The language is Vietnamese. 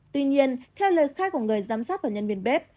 tuy nhiên theo lời khai của người giám sát và nhân viên bếp